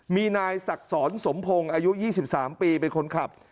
มีนายศักดิ์สอนสมพงศ์อายุ๒๓ปีเป็นคนขับ